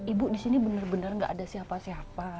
ibu di sini benar benar nggak ada siapa siapa